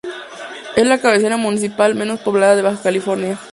Es la cabecera municipal menos poblada de Baja California.